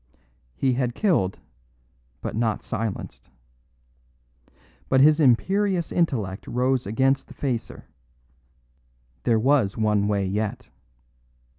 He had killed, but not silenced. But his imperious intellect rose against the facer; there was one way yet.